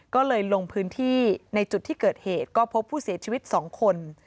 ก็เลยลงพื้นที่ในจุดที่เกิดเหตุก็พบผู้เสียชีวิต๒คน